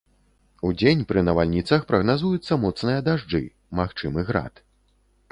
Удзень пры навальніцах прагназуюцца моцныя дажджы, магчымы град.